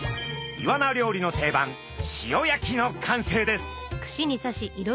イワナ料理の定番塩焼きの完成です。